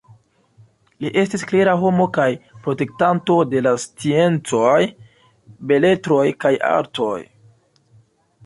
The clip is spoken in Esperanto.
Li estis klera homo kaj protektanto de la sciencoj, beletroj kaj artoj.